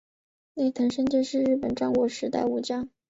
内藤胜介是日本战国时代武将。